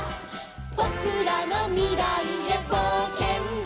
「ぼくらのみらいへぼうけんだ」